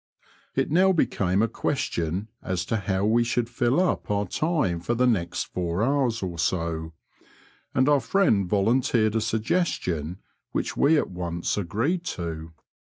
It now became a question as to how we should fill up our time for the next four hours or so, and our friend volunteered a suggestion which we at once agreed to.